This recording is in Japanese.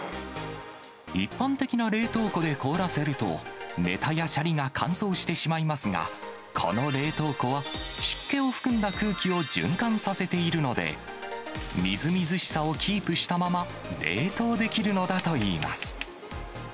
一般的な冷凍庫で凍らせると、ネタやシャリが乾燥してしまいますが、この冷凍庫は、湿気を含んだ空気を循環させているので、みずみずしさをキープしたまま冷凍できるのだといいます。